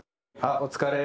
あお疲れ。